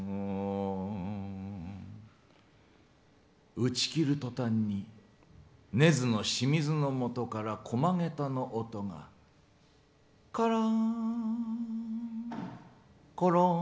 打ち切るとたんに根津の清水のもとから駒げたの音が、カランコロン。